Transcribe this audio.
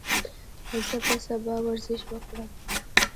زه به سبا ورزش وکړم.